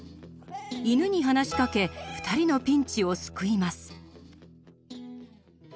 犬に話しかけ二人のピンチを救います。